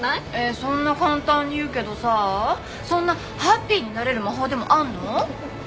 そんな簡単に言うけどさそんなハッピーになれる魔法でもあるの？